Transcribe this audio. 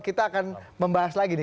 kita akan membahas lagi nih